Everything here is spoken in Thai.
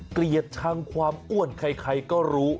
เกลียดชังความอ้วนใครก็รู้